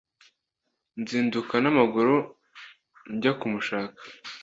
nzinduka namaguru njya kumushaka